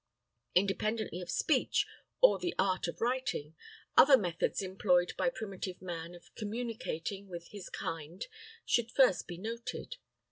Independently of speech, or the art of writing, other methods employed by primitive man of communicating with his kind should first be noted.